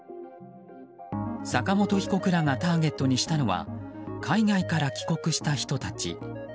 坂本被告らがターゲットにしたのは海外から帰国した人たち。